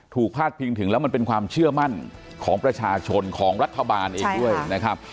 พาดพิงถึงแล้วมันเป็นความเชื่อมั่นของประชาชนของรัฐบาลเองด้วยนะครับ